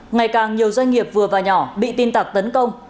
ngày càng nhiều doanh nghiệp vừa và nhỏ bị tin tặc tấn công